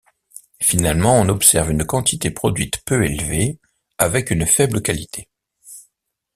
Finalement, on observe une quantité produite peu élevée, avec une faible qualité.